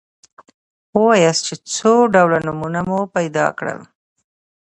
ووایاست چې څو ډوله نومونه مو پیدا کړل.